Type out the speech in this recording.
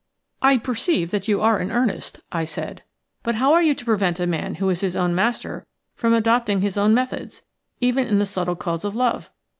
"I perceive that you are in earnest," I said; "but how are you to prevent a man who is his own master from adopting his own methods, even in the subtle cause of love?